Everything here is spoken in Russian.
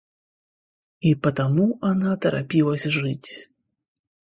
и потому она торопилась жить